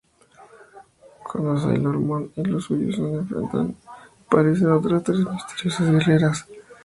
Cuando Sailor Moon y los suyos la enfrentan, aparecen otras tres misteriosas guerreras.